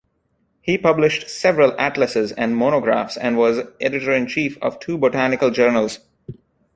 He published several atlases and monographs and was editor-in-chief of two botanical journals.